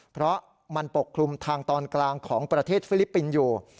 เพราะมันปกคลุมทางตอนกลางของประเทศฟิลิปปินส์อยู่